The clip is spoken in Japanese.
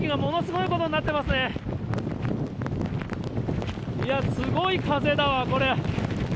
いや、すごい風だわ、これ。